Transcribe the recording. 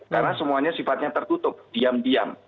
karena semuanya sifatnya tertutup diam diam